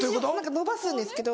伸ばすんですけど。